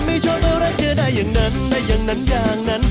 ไม่ชอบอะไรเจอได้อย่างนั้นได้อย่างนั้นอย่างนั้น